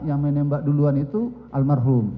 yang menembak duluan itu almarhum